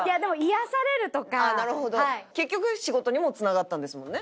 結局仕事にもつながったんですもんね？